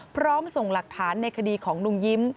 ส่งหลักฐานในคดีของลุงยิ้ม